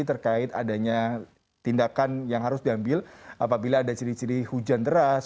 terkait adanya tindakan yang harus diambil apabila ada ciri ciri hujan deras